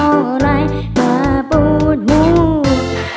พร้อมจะเอาไลน์มาปู๊ดมูด